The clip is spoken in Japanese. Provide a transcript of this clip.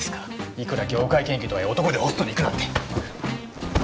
いくら業界研究とはいえ男でホストに行くなんて。